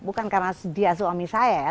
bukan karena dia suami saya ya